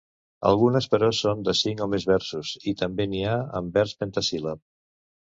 Algunes però són de cinc o més versos i també n'hi ha amb vers pentasíl·lab.